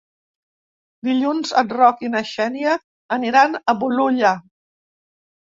Dilluns en Roc i na Xènia aniran a Bolulla.